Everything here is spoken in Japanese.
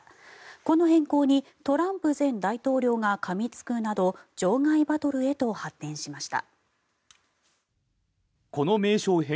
この変更にトランプ前大統領がかみつくなど場外バトルへと発展しました。